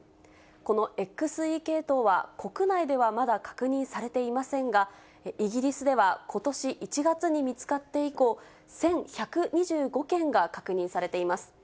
このＸＥ系統は、国内ではまだ確認されていませんが、イギリスではことし１月に見つかって以降、１１２５件が確認されています。